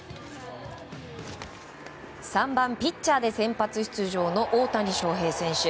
３番ピッチャーで先発出場の大谷翔平選手。